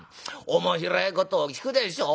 面白いことを聞くでしょう？